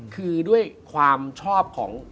คือด้วยความชอบของ